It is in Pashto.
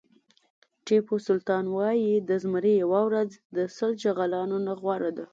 ټيپو سلطان وایي د زمري یوه ورځ د سل چغالو نه غوره ده.